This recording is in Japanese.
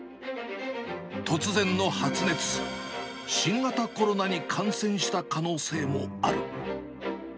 突然の発熱、新型コロナに感染した可能性もある。